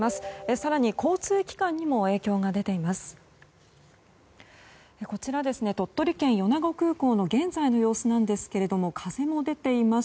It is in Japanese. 更に交通機関にも影響が出ています。